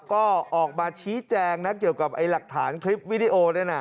ก็ออกมาชี้แจงเกี่ยวกับหลักฐานคลิปวิดีโอ